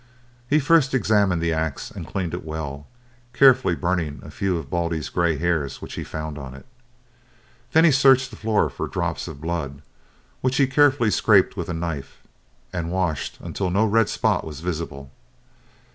He first examined the axe and cleaned it well, carefully burning a few of Baldy's grey hairs which he found on it. Then he searched the floor for drops of blood, which he carefully scraped with a knife, and washed until no red spot was visible.